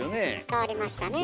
変わりましたね。